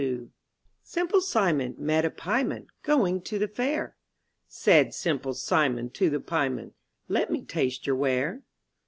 33 MY BOOK HOUSE CIMPLE SIMON met a pie man, ^ Going to the fair; Said Simple Simon to the pie man, Let me taste your ware.'